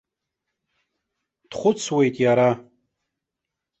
Дхәыцуеит иара.